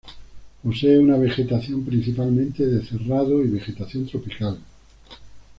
Posee una vegetación principalmente de Cerrado y vegetación tropical.